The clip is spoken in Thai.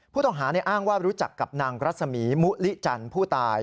ผู้ต้องหาอ้างว่ารู้จักกับนางรัศมีมุลิจันทร์ผู้ตาย